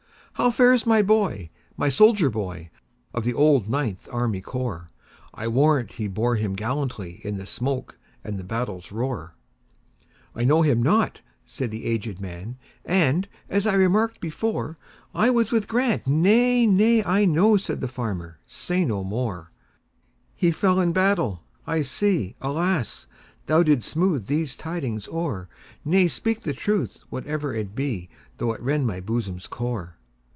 "How fares my boy,—my soldier boy, Of the old Ninth Army Corps?I warrant he bore him gallantlyIn the smoke and the battle's roar!""I know him not," said the aged man,"And, as I remarked before,I was with Grant"—"Nay, nay, I know,"Said the farmer, "say no more:"He fell in battle,—I see, alas! Thou 'dst smooth these tidings o'er,—Nay, speak the truth, whatever it be, Though it rend my bosom's core.